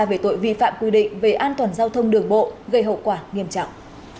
về tội vi phạm quy định về an toàn giao thông đường bộ gây hậu quả nghiêm trọng